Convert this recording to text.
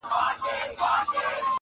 تا ته به ډلي په موسکا د سهیلیو راځي٫